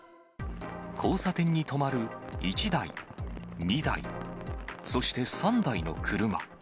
交差点に止まる１台、２台、そして３台の車。